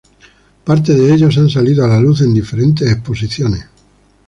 Parte de ellos han salido a la luz en diferentes exposiciones